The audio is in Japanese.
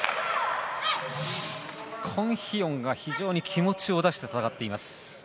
コン・ヒヨンが非常に気持ちを出して戦っています。